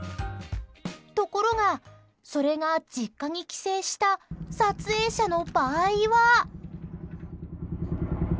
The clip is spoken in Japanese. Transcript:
ところが、それが実家に帰省した撮影者の場合は。